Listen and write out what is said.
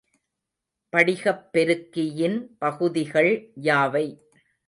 படிகப்பெருக்கியின் பகுதிகள் யாவை?